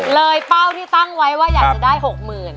เป้าที่ตั้งไว้ว่าอยากจะได้๖๐๐๐บาท